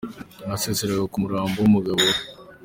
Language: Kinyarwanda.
Aha yaseeraga ku murambo wumugabo we